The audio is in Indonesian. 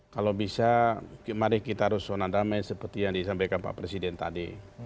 kalau bisa mari kita harus zona damai seperti yang disampaikan pak presiden tadi